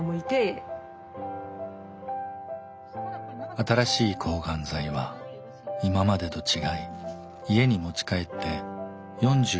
新しい抗がん剤は今までと違い家に持ち帰って４６時間投与します。